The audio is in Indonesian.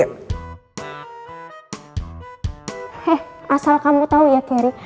eh asal kamu tau ya geri